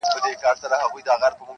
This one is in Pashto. دا پېغلتوب مي په غم زوړکې-